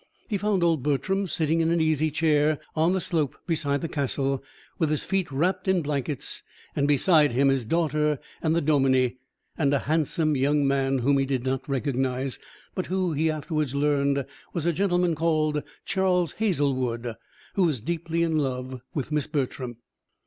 He found old Mr. Bertram sitting in an easy chair on the slope beside the castle with his feet wrapped in blankets, and beside him his daughter and the dominie, and a handsome young man whom he did not recognise, but who, he afterwards learned, was a gentleman called Charles Hazlewood, who was deeply in love with Miss Bertram.